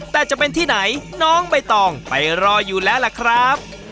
แต่จะเป็นที่ไหนน้องใบตองไปรออยู่แล้วล่ะครับ